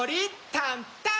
タンターン！